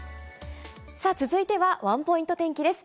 さあ、続いてはワンポイント天気です。